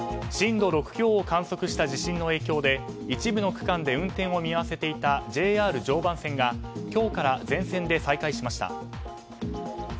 震度６強を観測した地震の影響で一部の区間で運転を見合わせていたＪＲ常磐線が今日から全線で再開しました。